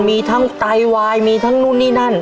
มีทั้งไตวายมีทั้งนู่นนี่นั่น